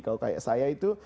kalau kayak saya itu